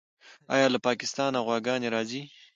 آیا له پاکستانه غواګانې راځي؟